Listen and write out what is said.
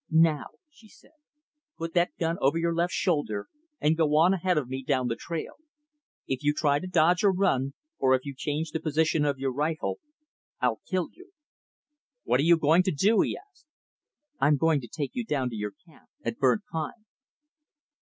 "Now," she said, "put that gun over your left shoulder, and go on ahead of me down the trail. If you try to dodge or run, or if you change the position of your rifle, I'll kill you." "What are you going to do?" he asked. "I'm going to take you down to your camp at Burnt Pine."